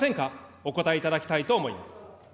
お答えいただきたいと思います。